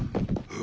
あ？